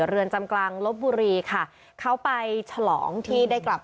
เรือนจำกลางลบบุรีค่ะเขาไปฉลองที่ได้กลับ